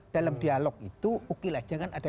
dalam dialog itu ukil saja kan ada